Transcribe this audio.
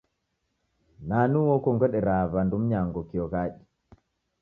Nani uo ukongodera w'andu mnyango kio ghadi?